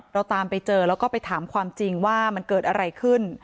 เราตามไปเจอแล้วก็ไปถามความจริงว่ามันเกิดอะไรขึ้น